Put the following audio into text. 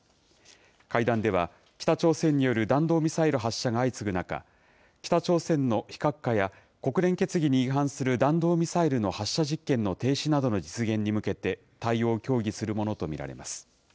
会談では、北朝鮮による弾道ミサイル発射が相次ぐ中、北朝鮮の非核化や、国連決議に違反する弾道ミサイルの発射実験の停止などの実現に向けて、対応を協議するものと見られます。